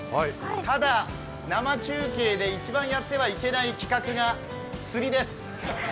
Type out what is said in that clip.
ただ、生中継で一番やってはいけない企画が釣りです。